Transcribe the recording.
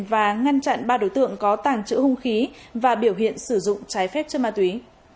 và ngăn chặn ba đối tượng có tàng trữ hung khí và biểu hiện sử dụng trái phép chất ma túy